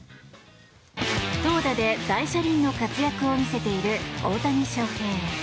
投打で大車輪の活躍を見せている大谷翔平。